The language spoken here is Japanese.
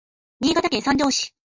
Niigataken sanjo si